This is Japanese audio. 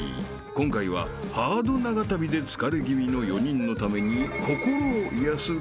［今回はハード長旅で疲れ気味の４人のために］